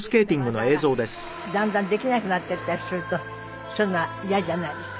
前にできた技がだんだんできなくなっていったりするとそういうのは嫌じゃないですか？